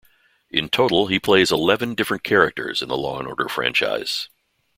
In total, he plays eleven different characters in the "Law and Order" franchise.